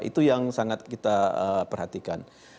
itu yang sangat kita perhatikan